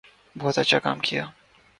بہت اچھا کام کیا